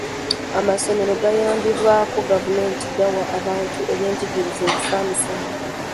Amasomero agayambibwako gavumenti gawa abantu ebyenjigiriza ebisaamusaamu.